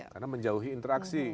karena menjauhi interaksi